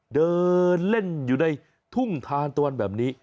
เดินเล่นอยู่ในทุ่งทานตะวันแบบนี้